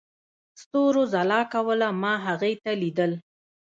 ستورو ځلا کوله، ما هغې ته ليدل.